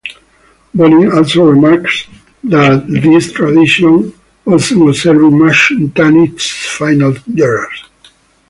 Bonin also remarks that this tradition wasn't observed much in Tanith's final years.